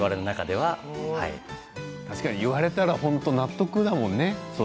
確かに言われたら納得だもんね。